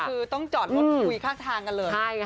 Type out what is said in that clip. คือต้องจอดรถคุยข้างทางกันเลย